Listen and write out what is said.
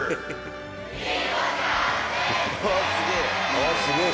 あっすげえ！